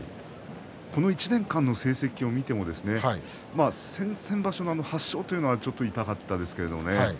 この１年間の成績を見ても先々場所が８勝というのはちょっと痛かったですけれどもね。